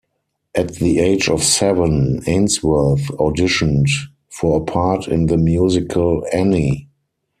At the age of seven, Ainsworth auditioned for a part in the musical "Annie".